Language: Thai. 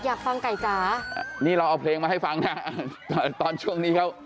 อยากฟังไก่จ๋านี่เราเอาเพลงมาให้ฟังนะตอนตอนช่วงนี้เขา